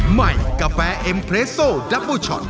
ใหม่กาแฟเอ็มเรสโซดับเบอร์ช็อต